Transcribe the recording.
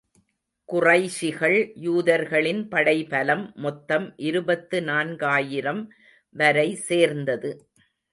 குறைஷிகள், யூதர்களின் படை பலம் மொத்தம் இருபத்து நான்காயிரம் வரை சேர்ந்தது.